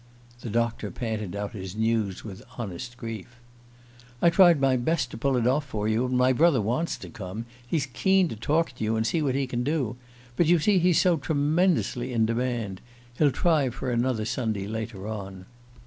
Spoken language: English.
The doctor panted out his news with honest grief. "I tried my best to pull it off for you; and my brother wants to come he's keen to talk to you and see what he can do. But you see he's so tremendously in demand. He'll try for another Sunday later on."